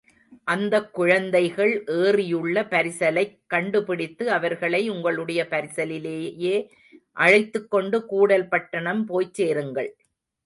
அந்தக் குழந்தைகள் ஏறியுள்ள பரிசலைக் கண்டுபிடித்து அவர்களை உங்களுடைய பரிசலிலேயே அழைத்துக்கொண்டு கூடல் பட்டணம் போய்ச் சேருங்கள்.